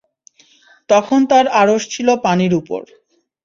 তখন তাঁর আরশ ছিল পানির উপর।